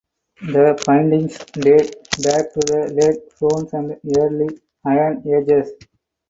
The findings date back to the Late Bronze and Early Iron Ages.